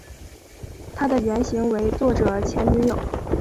她的原型为作者前女友。